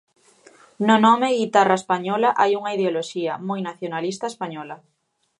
No nome 'guitarra española' hai unha ideoloxía, moi nacionalista española.